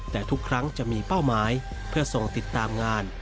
แต่ทุกครั้งจะมีเป้าหมายเพื่อทรงติดตามงาน